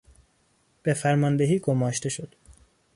به فرماندهی گماشته شد.